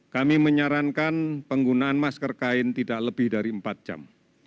kami menyarankan penggunaan masker kain tidak lebih dari empat jam